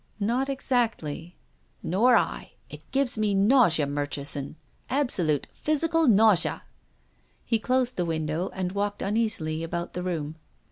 " Not exactly." " Nor I, It gives me nausea, Murchison, ab solute physical nausea." He closed the window and walked uneasily about the room.